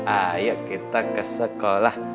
ayo kita ke sekolah